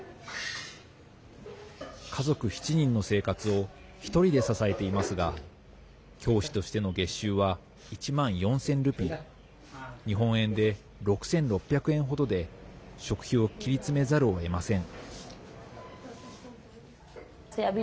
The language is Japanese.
家族７人の生活を１人で支えていますが教師としての月収は１万４０００ルピー日本円で６６００円程で食費を切り詰めざるをえません。